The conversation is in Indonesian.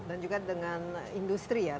dan juga dengan industri ya